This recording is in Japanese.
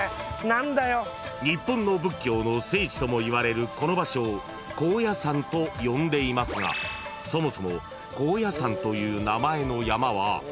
［日本の仏教の聖地ともいわれるこの場所を高野山と呼んでいますがそもそも］